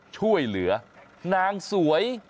ช่วยเหลือนางสวย